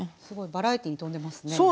すごいバラエティーに富んでますね！